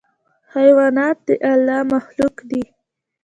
حیوانات د الله مخلوق دي.